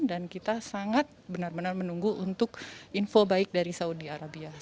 dan kita sangat benar benar menunggu untuk info baik dari saudi arabia